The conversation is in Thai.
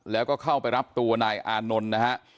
แล้วก็เข้าไปรับตัวนายอานนท์นะฮะ